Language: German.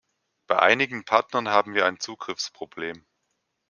Bei einigen Partnern haben wir ein Zugriffsproblem.